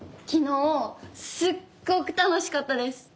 昨日すっごく楽しかったです！